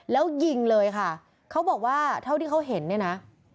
แล้วยิงเลยค่ะเขาบอกว่าเท่าที่เขาเห็นเนี่ยนะ